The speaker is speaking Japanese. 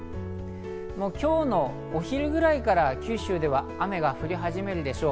今日のお昼ぐらいから九州では雨が降り始めるでしょう。